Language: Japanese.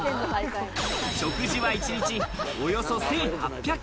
食事は一日およそ１８００ｋｃａｌ。